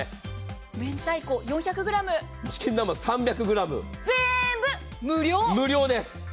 明太子４００ｇ、チキン南蛮３００ｇ、全部無料です。